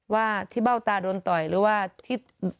ว่าที่เบ้าตาโดนต่อยหรือว่าที่